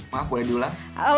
maaf boleh diulang